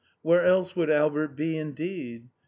_" Where else would Albert be indeed?